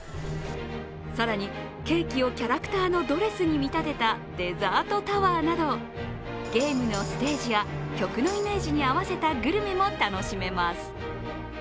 更にケーキをキャラクターのドレスに見立てたデザートタワーなどゲームのステージや曲のイメージに合わせたグルメも楽しめます。